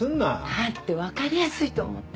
だって分かりやすいと思って。